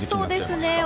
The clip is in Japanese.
そうですね。